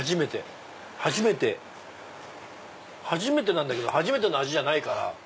初めて初めてなんだけど初めての味じゃないから。